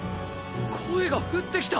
声が降ってきた！